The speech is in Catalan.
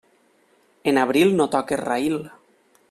En abril no toques raïl.